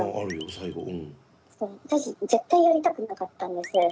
そう私絶対やりたくなかったんです。